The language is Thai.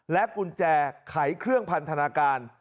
กุญแจไขเครื่องพันธนาการ